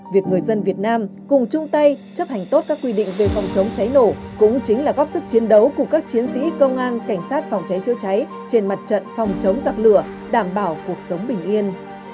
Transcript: việc người dân việt nam cùng chung tay chấp hành tốt các quy định về phòng chống cháy nổ cũng chính là góp sức chiến đấu của các chiến sĩ công an cảnh sát phòng cháy chữa cháy trên mặt trận phòng chống giặc lửa đảm bảo cuộc sống bình yên